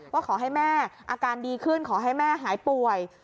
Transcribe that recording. ว่าขอให้แม่อาการดีขึ้นขอให้แม่หายป่วย